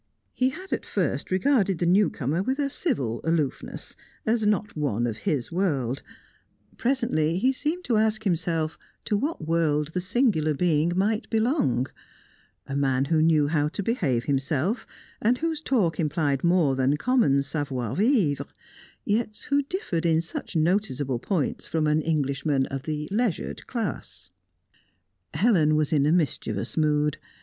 He had at first regarded the new comer with a civil aloofness, as one not of his world; presently, he seemed to ask himself to what world the singular being might belong a man who knew how to behave himself, and whose talk implied more than common savoir vivre, yet who differed in such noticeable points from an Englishman of the leisured class. Helen was in a mischievous mood.